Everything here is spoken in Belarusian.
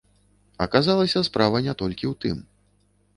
Аказалася, справа не толькі ў тым.